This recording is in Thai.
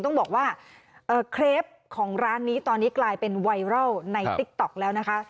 ต้องบอกว่าเครปของร้านนี้ตอนนี้กลายเป็นไวรัลในติ๊กต๊อกแล้วนะคะ